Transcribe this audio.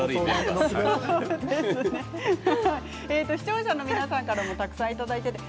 視聴者の皆さんからたくさんいただいています。